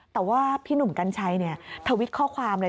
แต่ว่าพี่หนุ่มกัญชัยทวิตข้อความเลย